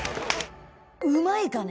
うまいかね？